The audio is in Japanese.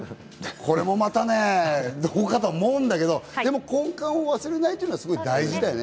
これもまたね、どうかと思うんだけど、根幹を忘れないことはすごく大事だね。